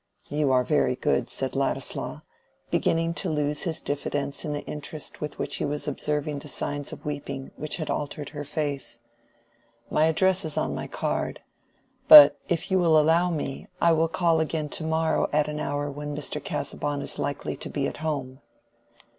"You are very good," said Ladislaw, beginning to lose his diffidence in the interest with which he was observing the signs of weeping which had altered her face. "My address is on my card. But if you will allow me I will call again to morrow at an hour when Mr. Casaubon is likely to be at home."